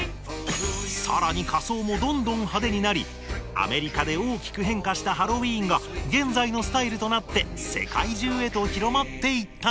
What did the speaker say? さらに仮装もどんどん派手になりアメリカで大きく変化したハロウィーンが現在のスタイルとなって世界中へと広まっていったのです